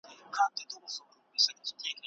همدغه فضا د لیکلو ذوق ژوندی کړ.